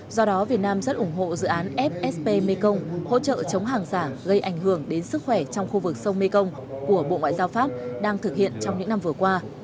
do đó việt nam rất ủng hộ dự án fsp mekong hỗ trợ chống hàng giả gây ảnh hưởng đến sức khỏe trong khu vực sông mekong của bộ ngoại giao pháp đang thực hiện trong những năm vừa qua